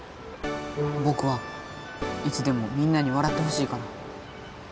ぼくはいつでもみんなにわらってほしいから。